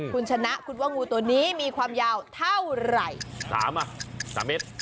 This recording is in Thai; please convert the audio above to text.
คุณชนะคุณว่างูตัวนี้มีความยาวเท่าไหร่ถามอ่ะสามเมตร